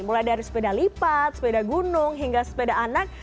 mulai dari sepeda lipat sepeda gunung hingga sepeda anak